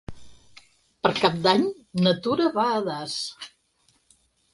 Per Cap d'Any na Tura va a Das.